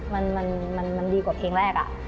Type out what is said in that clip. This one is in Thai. มันดีกว่าเพลงแรกอะ